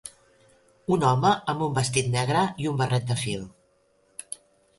Un home amb un vestit negre i un barret de fil.